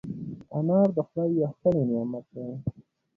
انار د خدای یو ښکلی نعمت دی.